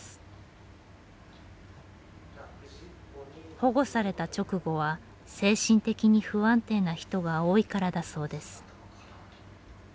保護された直後は精神的に不安定な人が多いからだそうです。